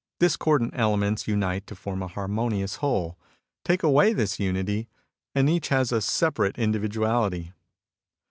Dis cordant elements unite to form a harmonious whole. Take away this unity, and each has a separate individuality.